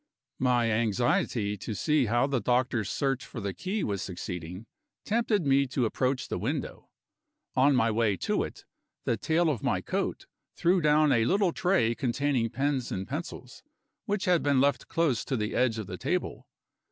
My anxiety to see how the doctor's search for the key was succeeding, tempted me to approach the window. On my way to it, the tail of my coat threw down a little tray containing pens and pencils, which had been left close to the edge of the table.